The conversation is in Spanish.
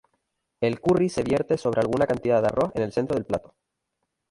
El "curry" se vierte sobre alguna cantidad de arroz en el centro del plato.